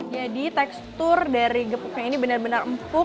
jadi tekstur dari gepuknya ini benar benar empuk